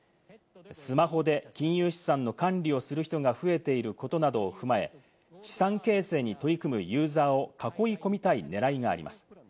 スマホで金融資産の管理をする人が増えていることなどを踏まえ、資産形成に取り組むユーザーを囲い込みたい狙いがあります。